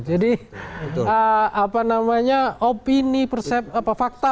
jadi opini fakta